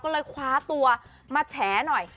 ก็เลยคว้าตัวมาแฉหน่อย